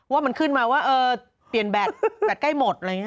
ว่ามันขึ้นมาว่าเปลี่ยนแบตใกล้หมด